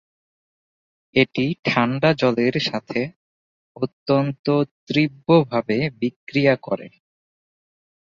এটি ঠাণ্ডা জলের সাথে অত্যন্ত তীব্রভাবে বিক্রিয়া করে।